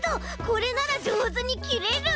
これならじょうずにきれる！